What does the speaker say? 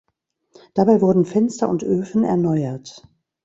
Dabei wurden Fenster und Öfen erneuert.